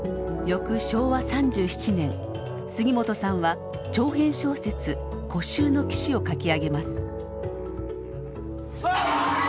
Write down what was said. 翌昭和３７年杉本さんは長編小説「孤愁の岸」を書き上げます。